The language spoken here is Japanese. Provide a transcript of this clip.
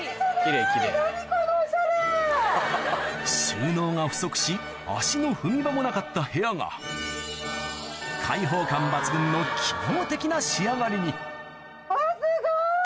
収納が不足し足の踏み場もなかった部屋が開放感抜群の機能的な仕上がりにわぁすごい！